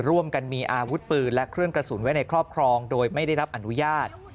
ร่วมกันมีอาวุธปืนและเครื่องกระสุนไว้ในครอบครองโดยไม่ได้รับอนุญาต